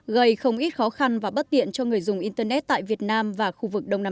gây không ít khó khăn và bất tiện cho người dùng internet tại việt nam và khu vực đông nam á